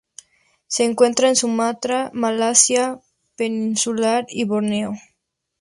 Se encuentra en Sumatra, Malasia peninsular y Borneo.